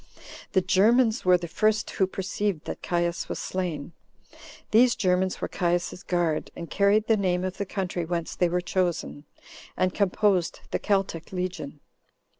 The Germans were the first who perceived that Caius was slain. These Germans were Caius's guard, and carried the name of the country whence they were chosen, and composed the Celtic legion.